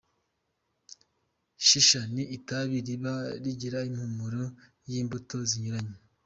Shisha ni itabi riba rigira impumuro y’imbuto zinyuranye.